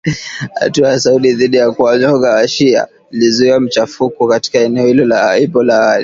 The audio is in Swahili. Hatua ya Saudi dhidi ya kuwanyonga wa-shia ilizua machafuko katika eneo hilo hapo awali.